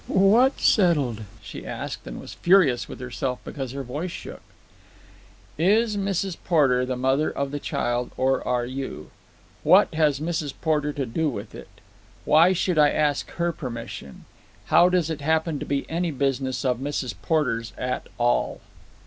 "Get what settled?" she asked, and was furious with herself because her voice shook. "Is Mrs. Porter the mother of the child, or are you? What has Mrs. Porter to do with it? Why should I ask her permission? How does it happen to be any business of Mrs. Porter's at all?"